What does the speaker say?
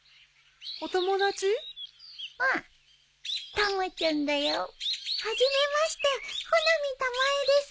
たまちゃんだよ。初めまして穂波たまえです。